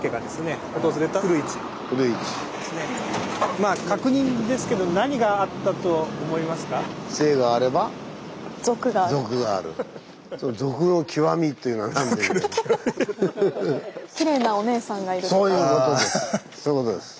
まあ確認ですけどそういうことです。